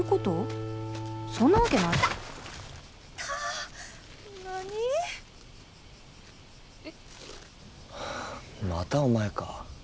はあまたお前か。